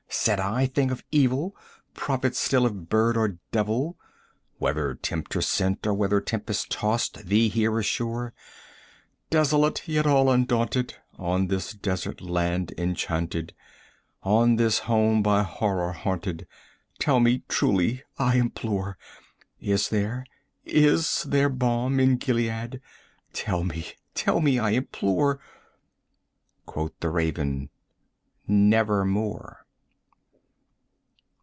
said I, "thing of evil! prophet still, if bird or devil! 85 Whether Tempter sent, or whether tempest tossed thee here ashore, Desolate yet all undaunted, on this desert land enchanted On this home by Horror haunted tell me truly, I implore: Is there is there balm in Gilead? tell me tell me, I implore!" Quoth the Raven, "Nevermore."